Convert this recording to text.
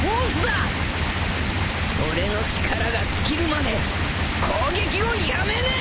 俺の力が尽きるまで攻撃をやめねえ！